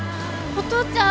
お父ちゃん！